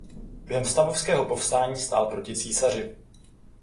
Během stavovského povstání stál proti císaři.